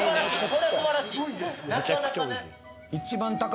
これ素晴らしい。